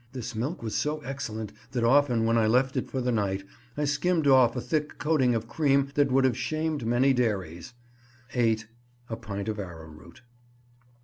(This milk was so excellent, that often when I left it for the night, I skimmed off a thick coating of cream that would have shamed many dairies.) 8 ,, —A pint of arrowroot.